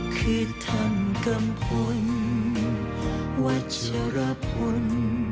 คือท่านกำพุนวัชรพุน